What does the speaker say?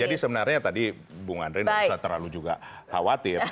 jadi sebenarnya tadi bung andri gak usah terlalu juga khawatir